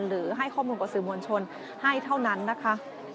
หรือให้ข้อมูลกับสื่อมวลชนให้เท่านั้นนะคะ